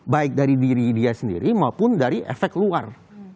baik dari diri dia sendiri maupun dari efek luar